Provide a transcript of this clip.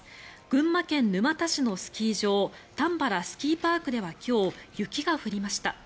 群馬県沼田市のスキー場たんばらスキーパークでは今日雪が降りました。